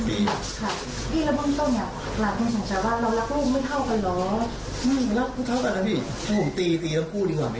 ไม่รักไม่เท่ากันนะพี่ถ้าผมตีตีต้องพูดดีกว่า